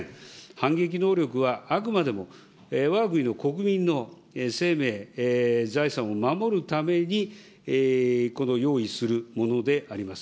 反撃能力はあくまでも、わが国の国民の生命、財産を守るために用意するものであります。